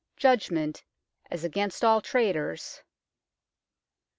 Judgment as against all traitors.